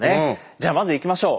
じゃあまずいきましょう。